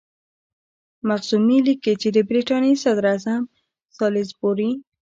مخزومي لیکي چې د برټانیې صدراعظم سالیزبوري.